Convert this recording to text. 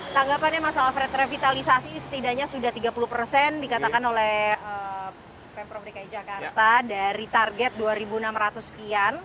tanggapannya mas alfred revitalisasi setidaknya sudah tiga puluh dikatakan oleh pemprov dki jakarta dari target dua enam ratus sekian